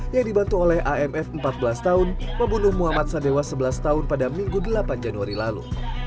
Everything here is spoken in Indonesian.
yang dibantu oleh amf empat belas tahun membunuh muhammad sadewa sebelas tahun pada minggu delapan januari lalu